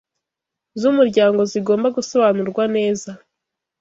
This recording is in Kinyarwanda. z'umuryango zigomba gusobanurwa neza